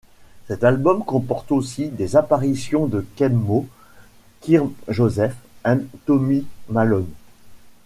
Cet album comporte aussi des apparitions de Keb Mo, Kirk Joseph and Tommy Malone.